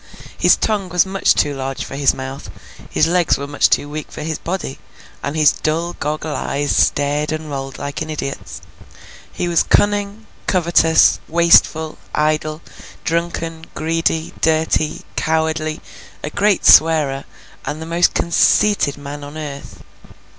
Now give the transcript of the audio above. His tongue was much too large for his mouth, his legs were much too weak for his body, and his dull goggle eyes stared and rolled like an idiot's. He was cunning, covetous, wasteful, idle, drunken, greedy, dirty, cowardly, a great swearer, and the most conceited man on earth.